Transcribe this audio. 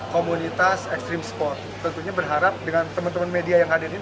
komunitas ekstrim sport tentunya berharap dengan teman teman media yang hadir ini